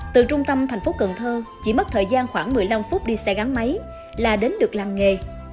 từ trung tâm thành phố cần thơ chỉ mất thời gian khoảng một mươi năm phút đi xe gắn máy là đến được làm nghề